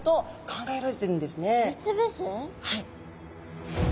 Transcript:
はい。